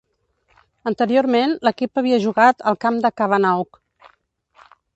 Anteriorment l'equip havia jugat al camp del Kavanaugh.